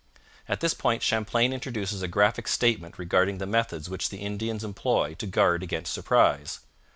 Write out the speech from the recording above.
At this point Champlain introduces a graphic statement regarding the methods which the Indians employ to guard against surprise.